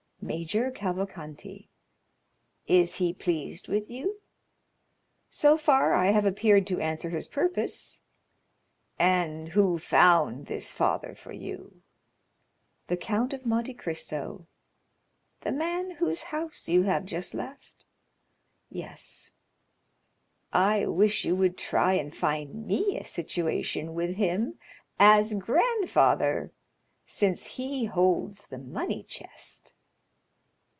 "Major Cavalcanti." "Is he pleased with you?" "So far I have appeared to answer his purpose." "And who found this father for you?" "The Count of Monte Cristo." "The man whose house you have just left?" "Yes." "I wish you would try and find me a situation with him as grandfather, since he holds the money chest!"